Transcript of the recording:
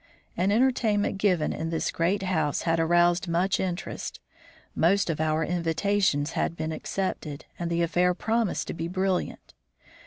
An entertainment given in this great house had aroused much interest. Most of our invitations had been accepted, and the affair promised to be brilliant.